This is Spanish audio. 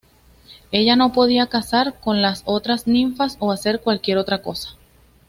Ella no podía cazar con las otras ninfas, o hacer cualquier otra cosa.